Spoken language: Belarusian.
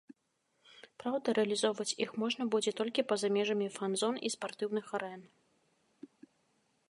Праўда, рэалізоўваць іх можна будзе толькі па-за межамі фан-зон і спартыўных арэн.